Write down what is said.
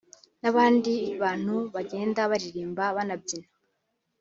n’abandi bantu bagenda baririmba banabyina